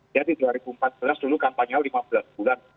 jadi dua ribu empat belas dulu kampanye lima belas bulan